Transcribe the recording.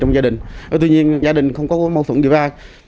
tuy nhiên nhà đình không có mâu thuẫn điều tra